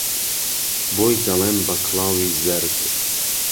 بۆی دهڵێم به کڵاوی زهرد